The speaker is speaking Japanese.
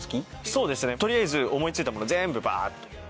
そうですね取りあえず思い付いたもの全部バっと。